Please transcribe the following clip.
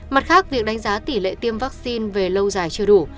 mặt khác việc đánh giá tỷ lệ tiêm vaccine về lâu dài chưa đủ